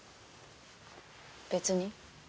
別に。